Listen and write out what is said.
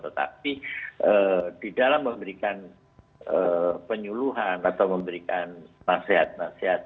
tetapi di dalam memberikan penyuluhan atau memberikan nasihat nasihat